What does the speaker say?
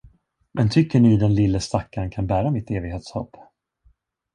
Men tycker ni den lille stackarn kan bära mitt evighetshopp?